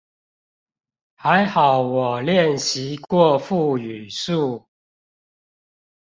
還好我練習過腹語術